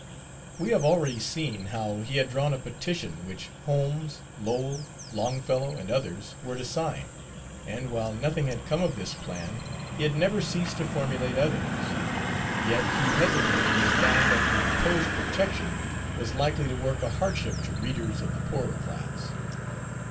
We have already seen how he had drawn a petition which Holmes, Lowell, Longfellow, and others were to sign, and while nothing had come of this plan he had never ceased to formulate others. Yet he hesitated when he found that the proposed protection was likely to work a hardship to readers of the poorer class.